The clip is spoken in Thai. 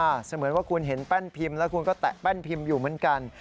เสมือนว่าคุณเห็นแป้นพิมพ์แล้วคุณก็แตะแป้นพิมพ์อยู่เหมือนกัน